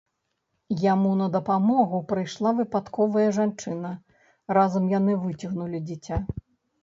Яму на дапамогу прыйшла выпадковая жанчына, разам яны выцягнулі дзіця.